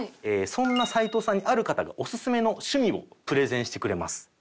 そんな齊藤さんにある方がオススメの趣味をプレゼンしてくれます。